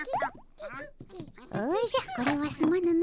おじゃこれはすまぬの。